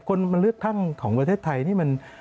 คนมันเลือกตั้งของประเทศไทยนี่มัน